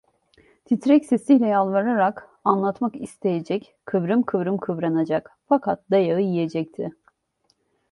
Titrek sesiyle yalvaracak, anlatmak isteyecek, kıvrım kıvrım kıvranacak, fakat dayağı yiyecekti.